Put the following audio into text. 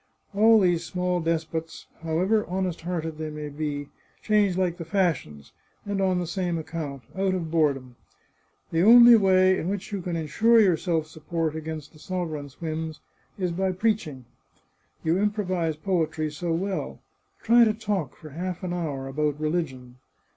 All these small despots, however honest hearted they may be, change like the fash ions, and on the same account — out of boredom. The only way in which you can insure yourself support against the sovereign's whims is by preaching. You improvise poetry so well ! Try to talk, for half an hour, about religion